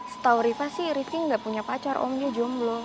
setau riva sih rifki gak punya pacar omnya jomblo